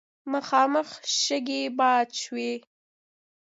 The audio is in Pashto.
مخامخ شګې باد شوې.